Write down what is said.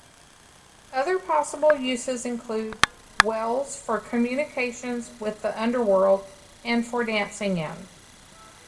Other possible uses include wells, for communications with the underworld and for dancing in.